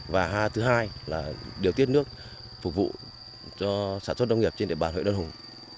và thứ hai là điều tiết nước phục vụ cho sản xuất nông nghiệp trên địa bàn huyện đơn hùng